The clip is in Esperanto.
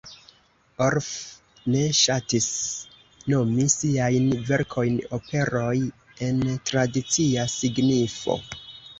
Orff ne ŝatis nomi siajn verkojn "operoj" en tradicia signifo.